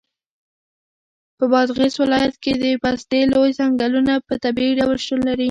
په بادغیس ولایت کې د پستې لوی ځنګلونه په طبیعي ډول شتون لري.